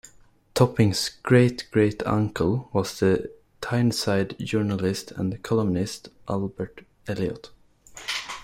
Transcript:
Topping's great-great-uncle was the Tyneside journalist and columnist Albert Elliott.